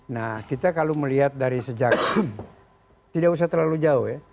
nah kita kalau melihat dari sejak tidak usah terlalu jauh ya